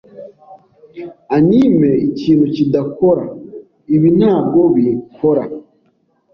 Anime, ikintu kidakora; ibi ntabwo bikora